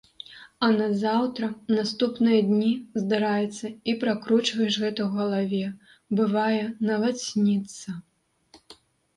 А назаўтра, наступныя дні, здараецца, і пракручваеш гэта ў галаве, бывае, нават сніцца.